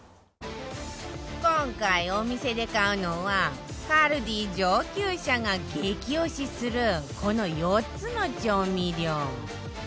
今回お店で買うのは ＫＡＬＤＩ 上級者が激推しするこの４つの調味料